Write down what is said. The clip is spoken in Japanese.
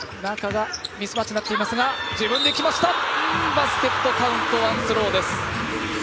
バスケットカウントワンスローです。